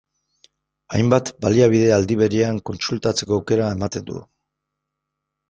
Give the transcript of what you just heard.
Hainbat baliabide aldi berean kontsultatzeko aukera ematen du.